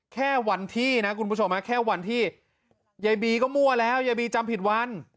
แค่วันที่นะคุณผู้ชมแค่วันที่ยายบีก็มั่วแล้วยายบีจำผิดวัน